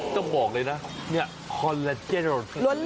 ต้องบอกเลยนะเนี่ยคอลลาเจล